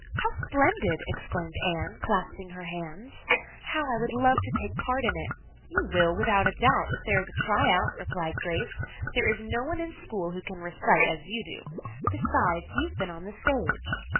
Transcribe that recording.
"How splendid!" exclaimed Anne, clasping her hands. "How I would love to take part in it!" "You will, without doubt, if there is a try out," replied Grace. "There is no one in school who can recite as you do; besides, you have been on the stage."